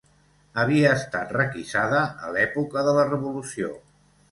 Havia estat requisada a l'època de la revolució